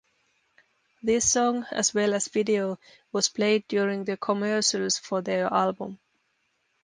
This song, as well as video, was played during the commercials for their album.